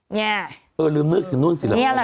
หรือนึกถึงนุ่นสิรภาร